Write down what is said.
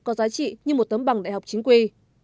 có giá trị như một tấm bằng đại học chính quy